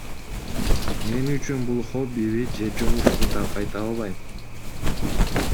Мен үчүн бул хоббиби же жумушпу так айта албайм.